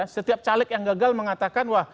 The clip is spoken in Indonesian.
setiap caleg yang gagal mengatakan wah